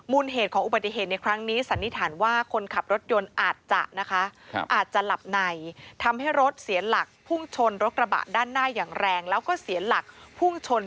เหตุของอุบัติเหตุในครั้งนี้สันนิษฐานว่าคนขับรถยนต์อาจจะนะคะอาจจะหลับในทำให้รถเสียหลักพุ่งชนรถกระบะด้านหน้าอย่างแรงแล้วก็เสียหลักพุ่งชน